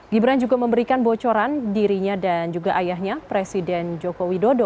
gibran juga memberikan bocoran dirinya dan juga ayahnya presiden joko widodo